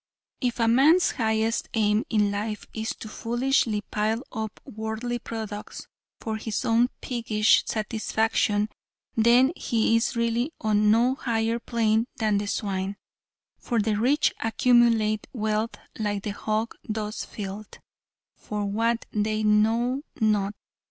If a man's highest aim in life is to foolishly pile up worldly products for his own piggish satisfaction, then he is really on no higher plane than the swine; for the rich accumulate wealth like the hog does filth, for what, they know not.